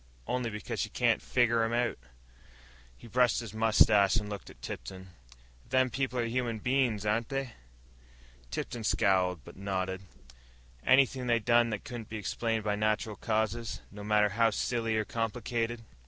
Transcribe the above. Only because she can't figger 'em out." He brushed his mustache and looked at Tipton. "Them people are human bein's, ain't they?" Tipton scowled, but nodded. "Anything they done that couldn't be explained by natural causes, no matter how silly or complicated?"